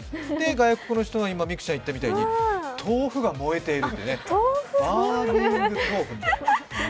外国の人は、今、美空ちゃんが言ったみたいに豆腐が燃えている、バーニング豆腐みたいな。